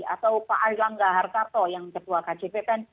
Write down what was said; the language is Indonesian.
atau pak arlangga harkarto yang ketua kcpp